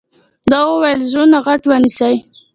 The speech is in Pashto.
ده وويل زړونه غټ ونيسئ.